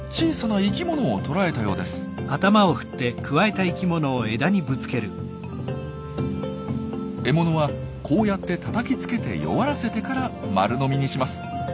獲物はこうやってたたきつけて弱らせてから丸飲みにします。